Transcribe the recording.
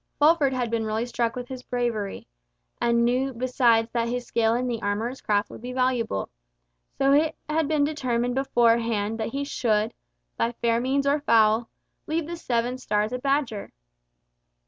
Fulford had really been struck with his bravery, and knew besides that his skill in the armourer's craft would be valuable, so that it had been determined beforehand that he should—by fair means or foul—leave the Seven Stars a Badger.